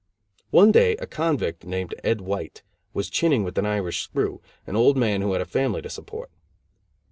One day a convict, named Ed White, was chinning with an Irish screw, an old man who had a family to support.